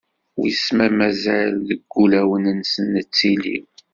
wiss ma mazal deg wulawen-nsen nettili.